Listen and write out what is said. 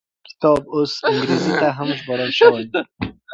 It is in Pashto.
کتاب اوس انګریزي ته هم ژباړل شوی.